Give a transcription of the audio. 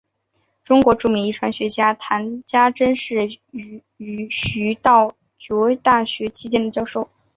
中国著名遗传学家谈家桢是徐道觉大学期间的教授。